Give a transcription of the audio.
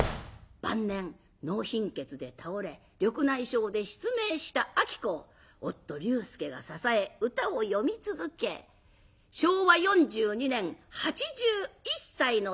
晩年脳貧血で倒れ緑内障で失明した子を夫龍介が支え歌を詠み続け昭和４２年８１歳の天寿を全ういたします。